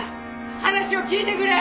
話を聞いてくれ！